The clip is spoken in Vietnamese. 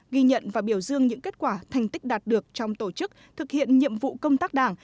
ghi nhận và biểu dương những kết quả thành tích đạt được trong tổ chức thực hiện nhiệm vụ công tác đảng